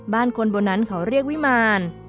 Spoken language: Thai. คนบนนั้นเขาเรียกวิมาร